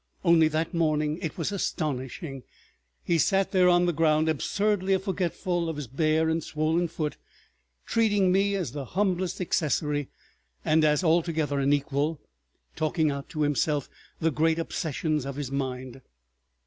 Only that morning it was astonishing. He sat there on the ground, absurdly forgetful of his bare and swollen foot, treating me as the humblest accessory and as altogether an equal, talking out to himself the great obsessions of his mind.